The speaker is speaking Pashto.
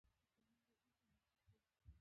د هلمند باغونه انګور لري.